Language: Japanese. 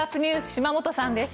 島本さんです。